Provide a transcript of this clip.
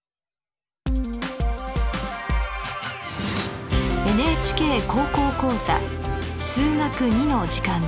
「ＮＨＫ高校講座数学Ⅱ」の時間です。